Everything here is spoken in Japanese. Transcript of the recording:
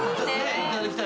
いただきたい。